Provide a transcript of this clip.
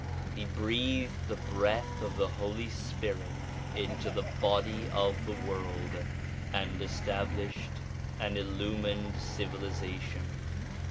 He breathed the breath of the Holy Spirit into the body of the world and established an illumined civilization.